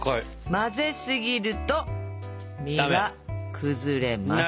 混ぜすぎると実が崩れます。